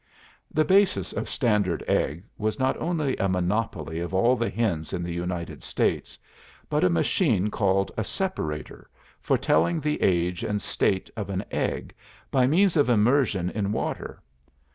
'" "The basis of Standard Egg was not only a monopoly of all the hens in the United States, but a machine called a Separator, for telling the age and state of an egg by means of immersion in water.